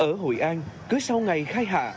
ở hội an cứ sau ngày khai hạ